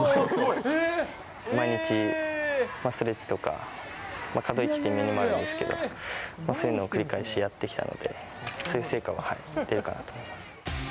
毎日ストレッチとか、可動域っていうメニューもあるんですけど、そういうのを繰り返しやってきたので、そういう成果は出るかなと思います。